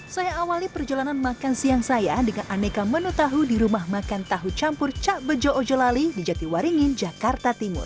saya awali perjalanan makan siang saya dengan aneka menu tahu di rumah makan tahu campur cak bejo ojo lali di jatiwaringin jakarta timur